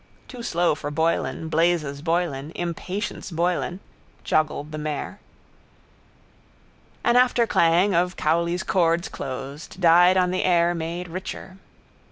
Too slow for Boylan, blazes Boylan, impatience Boylan, joggled the mare. An afterclang of Cowley's chords closed, died on the air made richer.